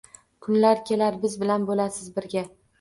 Kun kelar, biz bilan bo’lasiz birga